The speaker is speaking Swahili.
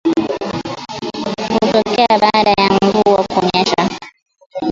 Hutokea baada ya mvua kunyesha